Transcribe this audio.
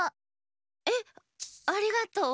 えっありがとう。